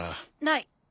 ない！